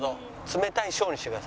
冷たい小。